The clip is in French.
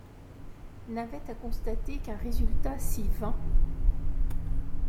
N'avait à constater qu'un résultat si vain